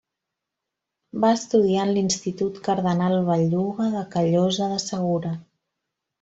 Va estudiar en l'Institut Cardenal Belluga de Callosa de Segura.